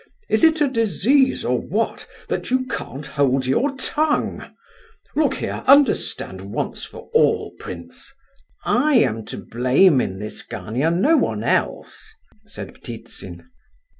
Is it a disease, or what, that you can't hold your tongue? Look here, understand once for all, prince—" "I am to blame in this, Gania—no one else," said Ptitsin.